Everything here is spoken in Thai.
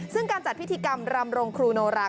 ซึ่งการจัดพิธีกรรมรำรงครูโนรา